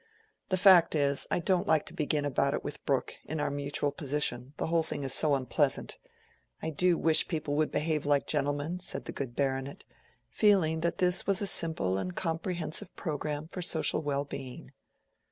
"The fact is, I don't like to begin about it with Brooke, in our mutual position; the whole thing is so unpleasant. I do wish people would behave like gentlemen," said the good baronet, feeling that this was a simple and comprehensive programme for social well being.